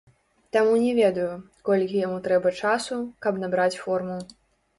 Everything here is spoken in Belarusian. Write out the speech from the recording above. Таму не ведаю, колькі яму трэба часу, каб набраць форму.